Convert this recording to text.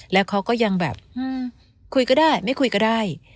แล้วเขาก็ยังแบบคุยก็ได้ไม่คุยก็ได้